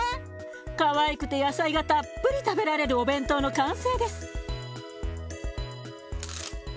かわいくて野菜がたっぷり食べられるお弁当の完成です。